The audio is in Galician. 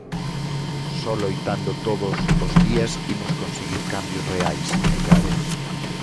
Só loitando todos os días imos conseguir cambios reais, engade.